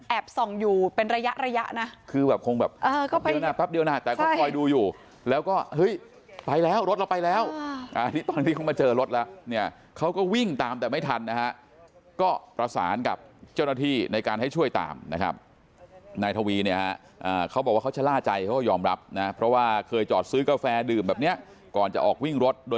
ส่องอยู่เป็นระยะระยะนะคือแบบคงแบบเออก็ไปเดี๋ยวนะแป๊บเดียวนะแต่เขาคอยดูอยู่แล้วก็เฮ้ยไปแล้วรถเราไปแล้วอันนี้ตอนที่เขามาเจอรถแล้วเนี่ยเขาก็วิ่งตามแต่ไม่ทันนะฮะก็ประสานกับเจ้าหน้าที่ในการให้ช่วยตามนะครับนายทวีเนี่ยฮะเขาบอกว่าเขาชะล่าใจเขาก็ยอมรับนะเพราะว่าเคยจอดซื้อกาแฟดื่มแบบเนี้ยก่อนจะออกวิ่งรถโดย